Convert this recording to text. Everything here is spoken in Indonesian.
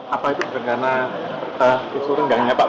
apa itu karena isu renggangnya pak prabowo dengan pak jokowi